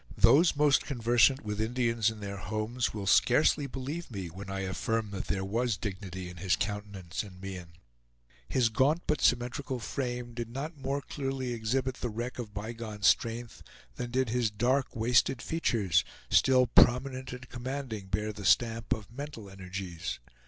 Those most conversant with Indians in their homes will scarcely believe me when I affirm that there was dignity in his countenance and mien. His gaunt but symmetrical frame, did not more clearly exhibit the wreck of bygone strength, than did his dark, wasted features, still prominent and commanding, bear the stamp of mental energies.